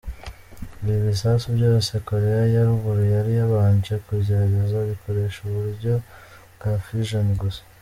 Ibi bisasu byose Koreya ya ruguru yari yabanje kugerageza bikoresha uburyo bwa Fission gusa.